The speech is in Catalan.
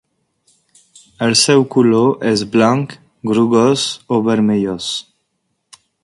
El seu color és blanc, grogós o vermellós.